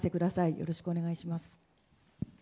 よろしくお願いします。